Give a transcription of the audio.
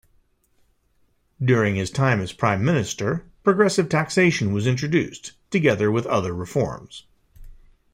During his time as Prime Minister, progressive taxation was introduced, together with other reforms.